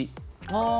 ああ！